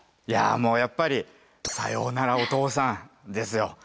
いやもうやっぱり「さようならお父さん」ですよ。